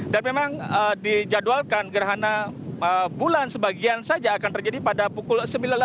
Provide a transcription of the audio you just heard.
jadi sudah dijadwalkan gerhana bulan sebagian saja akan terjadi pada pukul sembilan belas empat puluh delapan